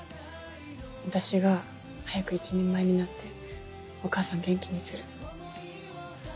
私が早く一人前になってお母さん元気にする。